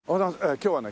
今日はね